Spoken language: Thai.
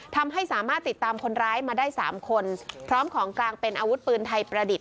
ทำให้สามารถติดตามคนร้ายมาได้สามคนพร้อมของกลางเป็นอาวุธปืนไทยประดิษฐ